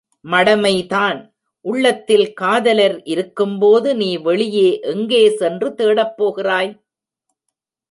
மடமைதான். உள்ளத்தில் காதலர் இருக்கும்போது நீ வெளியே எங்கே சென்று தேடப்போகிறாய்?